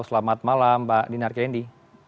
selamat malam pak dinar kendi